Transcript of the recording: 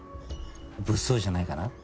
物騒じゃないかな？